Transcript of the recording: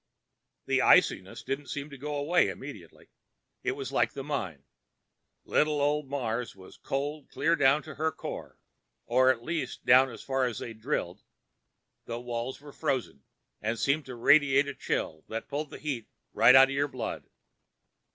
The iciness didn't seem to go away immediately. It was like the mine. Little old Mars was cold clear down to her core—or at least down as far as they'd drilled. The walls were frozen and seemed to radiate a chill that pulled the heat right out of your blood.